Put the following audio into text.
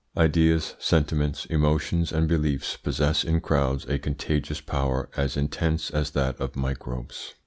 Ideas, sentiments, emotions, and beliefs possess in crowds a contagious power as intense as that of microbes.